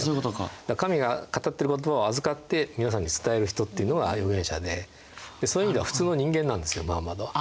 神が語ってる言葉を預かって皆さんに伝える人っていうのは預言者でそういう意味では普通の人間なんですよムハンマドは。